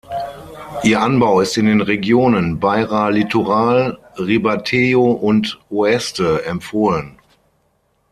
Ihr Anbau ist in den Regionen Beira Litoral, Ribatejo und Oeste empfohlen.